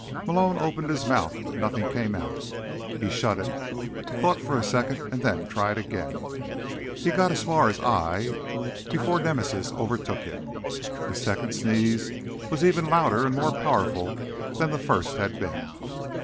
Malone opened his mouth, but nothing came out. He shut it, thought for a second and then tried again. He got as far as: "I—" before Nemesis overtook him. The second sneeze was even louder and more powerful than the first had been.